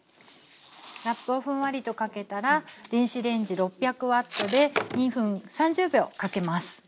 ラップをふんわりとかけたら電子レンジ６００Ｗで２分３０秒かけます。